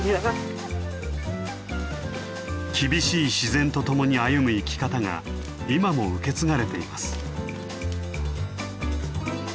厳しい自然とともに歩む生き方が今も受け継がれています。